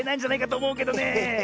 おもうけどねえ。